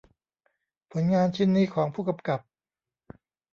ผลงานชิ้นนี้ของผู้กำกับ